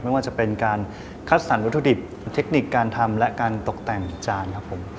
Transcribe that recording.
ไม่ว่าจะเป็นการคัดสรรวัตถุดิบเทคนิคการทำและการตกแต่งจานครับผม